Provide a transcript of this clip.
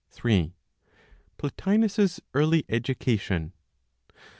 PLOTINOS'S EARLY EDUCATION.